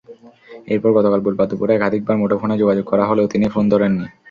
এরপর গতকাল বুধবার দুপুরে একাধিকবার মুঠোফোনে যোগাযোগ করা হলেও তিনি ফোন ধরেননি।